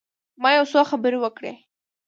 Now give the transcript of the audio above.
ما یو څو خبرې وکړې.